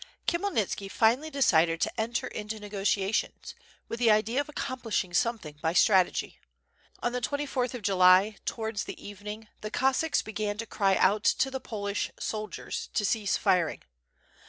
Khmyelnitski finally decided to enter into negotiations, with the idea of accomplishing something by strategy. On the 24th of July, towards the evening, the Cossacks began to cry out to the Polish soldiers to cease firing.